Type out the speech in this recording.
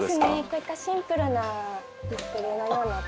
こういったシンプルなディスプレーのような。